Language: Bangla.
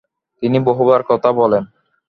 তিনি বহুবার কথা বলেন।